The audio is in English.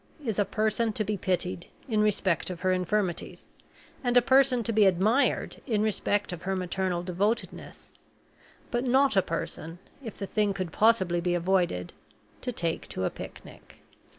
is a person to be pitied in respect of her infirmities, and a person to be admired in respect of her maternal devotedness, but not a person, if the thing could possibly be avoided, to take to a picnic.